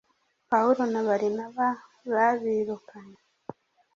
pawulo na barinaba babirukanye.